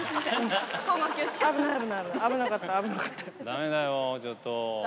だめだよ、ちょっと。